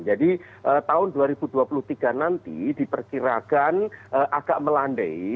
jadi tahun dua ribu dua puluh tiga nanti diperkirakan agak melandei